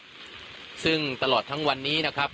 ตอนนี้ผมอยู่ในพื้นที่อำเภอโขงเจียมจังหวัดอุบลราชธานีนะครับ